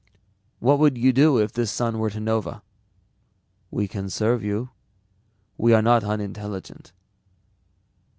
"What would you do if this sun were to nova?" "We can serve you. We are not unintelligent."